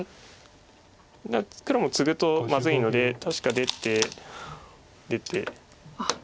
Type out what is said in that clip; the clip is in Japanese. だから黒もツグとまずいので確か出て出て。